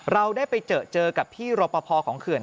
เราได้ไปเจอเจอกับพี่รปภของเขื่อน